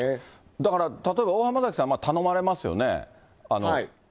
だから、例えば大濱崎さんは頼まれますよね。